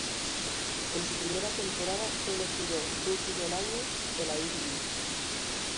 En su primera temporada fue elegido Rookie del Año de la Ivy League.